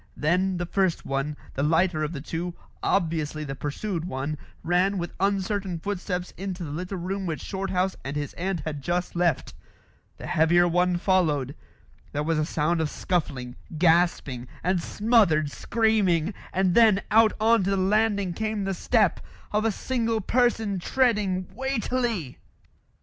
Then the first one, the lighter of the two, obviously the pursued one, ran with uncertain footsteps into the little room which Shorthouse and his aunt had just left. The heavier one followed. There was a sound of scuffling, gasping, and smothered screaming; and then out on to the landing came the step of a single person treading weightily.